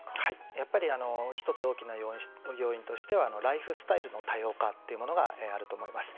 やっぱり１つ大きな要因としてはライフスタイルの多様化っていうものがあると思います。